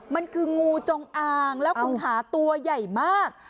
มันคืองูจงอางแล้วคุณขาตัวใหญ่มาก